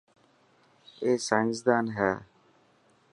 اي سائنسدان هي.